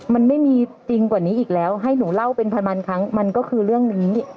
มันไม่มีจริงกว่านี้อีกแล้วให้หนูเล่าเป็นพันครั้งมันก็คือเรื่องนี้